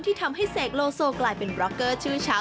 ที่ทำให้เสกโลโซกลายเป็นบล็อกเกอร์ชื่อเช้า